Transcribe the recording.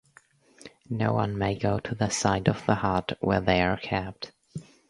No one may go to the side of the hut where they are kept.